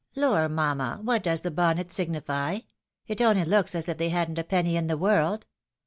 " Lor ! mamma ! what does the bonnet signify ? It only looks as if they hadn't a penny in the world.